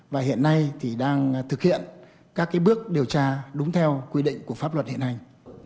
và hiện nay thì đang thực hiện các bước điều tra đúng theo quy định của pháp luật hiện hành